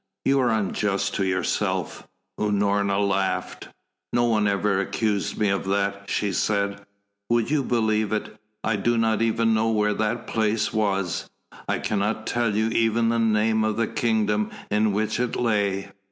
"You are unjust to yourself." Unorna laughed. "No one ever accused me of that," she said. "Will you believe it? I do not even know where that place was. I cannot tell you even the name of the kingdom in which it lay.